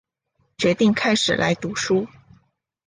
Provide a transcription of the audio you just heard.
决定开始来读书